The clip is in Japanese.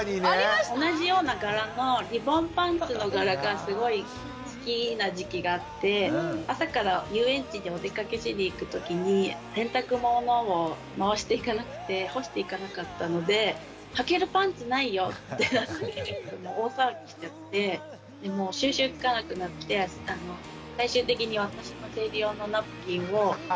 同じような柄のリボンパンツの柄がすごい好きな時期があって朝から遊園地にお出かけしに行くときに洗濯物を回していかなくて干していかなかったのではけるパンツないよってなって大騒ぎしちゃってもう収拾つかなくなって最終的に私の生理用のナプキンを。